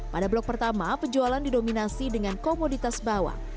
pada blok pertama penjualan didominasi dengan komoditas bawang